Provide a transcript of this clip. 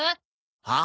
はあ？